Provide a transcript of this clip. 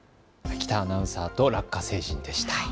喜多アナウンサーとラッカ星人でした。